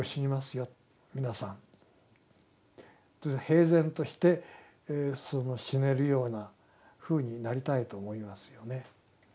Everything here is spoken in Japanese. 平然として死ねるようなふうになりたいと思いますよね。